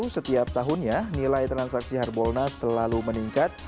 setiap tahunnya nilai transaksi harbolnas selalu meningkat